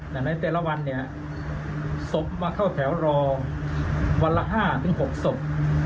แต่ในแต่ละวันเนี่ยศพมาเข้าแถวรอวันละ๕๖ศพ